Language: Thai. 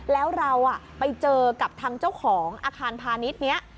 แล้วเราไปเจอกับทางเจ้าของอาคารพาณิชย์นี้